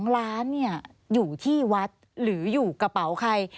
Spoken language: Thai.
๒ล้านอยู่ที่วัดหรืออยู่กระเป๋าใคร